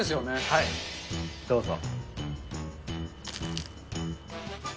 はい、どうぞ。